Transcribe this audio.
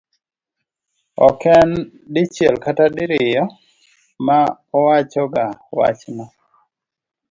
ok en dichiel kata diriyo ma owachoga wachno